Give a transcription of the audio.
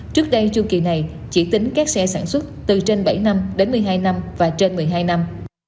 trước đây chu kỳ này chỉ tính các xe sản xuất từ trên bảy năm đến một mươi hai năm và trên một mươi hai năm